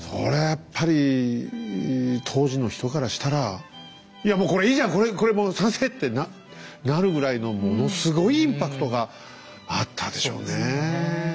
やっぱり当時の人からしたら「いやもうこれいいじゃんこれもう賛成！」ってなるぐらいのものすごいインパクトがあったでしょうね。